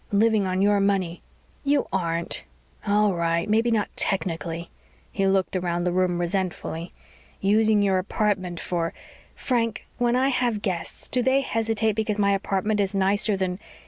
"Living on your money!" "You aren't!" "All right. Maybe not technically." He looked around the room resentfully. "Using your apartment for " "Frank! When I have guests, do they hesitate because my apartment is nicer than